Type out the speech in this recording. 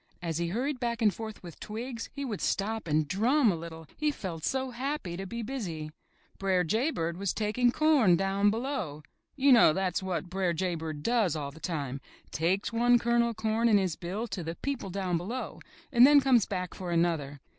As he hurried back and forth with twigs, he would stop and drum a little, he felt so happy to be busy. Br'er Jay Bird was taking corn Down Below. You know that is what Br'er Jay Bird does all the time: takes one kernel of corn in his bill to the people Down Below and then comes back for another.